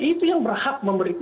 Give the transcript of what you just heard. itu yang berhak membunuh